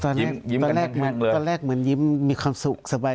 ตอนแรกตอนแรกเหมือนยิ้มมีความสุขสบาย